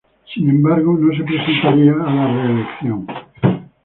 Sin embargo, no se presentaría a la reelección.